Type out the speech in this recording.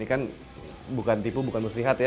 ini kan bukan tipu bukan musti lihat ya